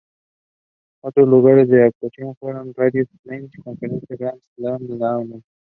Otros lugares de actuación fueron Radio Splendid y la Confitería Grand Sud de Lanús.